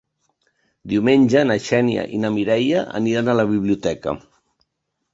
Diumenge na Xènia i na Mireia aniran a la biblioteca.